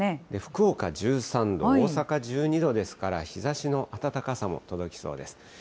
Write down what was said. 福岡１３度、大阪１２度ですから、日ざしの暖かさも届きそうです。